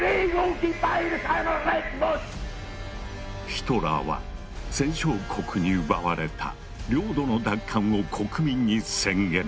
ヒトラーは戦勝国に奪われた領土の奪還を国民に宣言。